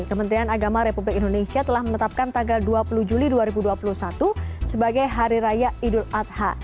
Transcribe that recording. kementerian agama republik indonesia telah menetapkan tanggal dua puluh juli dua ribu dua puluh satu sebagai hari raya idul adha